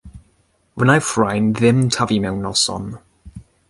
Wnaiff rhain ddim tyfu mewn noson.